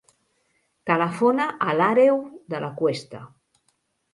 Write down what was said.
Telefona a l'Àreu De La Cuesta.